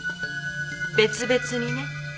別々にね。